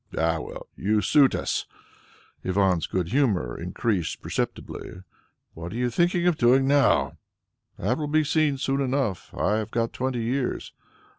"Ah well, you suit us." Ivan's good humour increased perceptibly. "And what are you thinking of doing now?" "That will be seen soon enough. I have got twenty years."